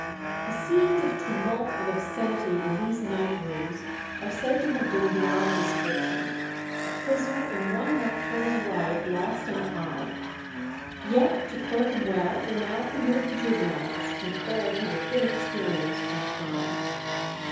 The "scenes of tumult and obscenity" in these night rooms are said to have been beyond description; a prisoner in one nocturnal riot lost an eye. Yet to Clerkenwell were now committed the juveniles, and all who were inexperienced in crime.